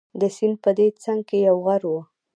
د سیند په دې څنګ کې یو غر وو.